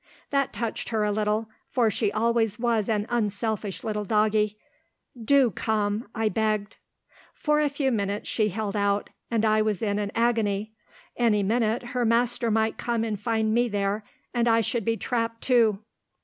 That touched her a little, for she always was an unselfish little doggie. "Do come," I begged. For a few minutes she held out, and I was in an agony. Any minute, her master might come and find me there, and I should be trapped, too.